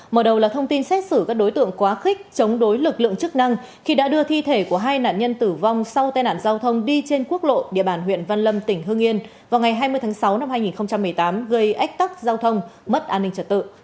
mở đầu là thông tin xét xử các đối tượng quá khích chống đối lực lượng chức năng khi đã đưa thi thể của hai nạn nhân tử vong sau tai nạn giao thông đi trên quốc lộ địa bàn huyện văn lâm tỉnh hương yên vào ngày hai mươi tháng sáu năm hai nghìn một mươi tám gây ách tắc giao thông mất an ninh trật tự